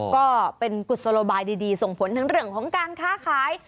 ก็เป็นกุศโลบายดีส่งผลทั้งเรื่องของการค้าขาย